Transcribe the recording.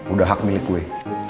udah hak milik gue